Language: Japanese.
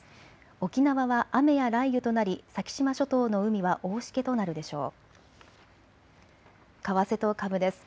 沖縄は雨や雷雨となり先島諸島の海は大しけとなるでしょう。